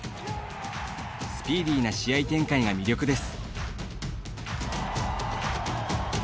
スピーディーな試合展開が魅力です。